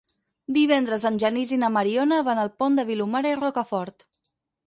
Divendres en Genís i na Mariona van al Pont de Vilomara i Rocafort.